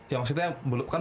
yang maksudnya kan diajarin